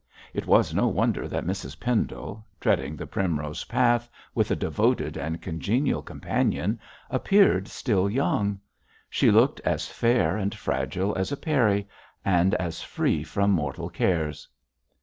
It was no wonder that Mrs Pendle, treading the Primrose Path with a devoted and congenial companion, appeared still young. She looked as fair and fragile as a peri, and as free from mortal cares.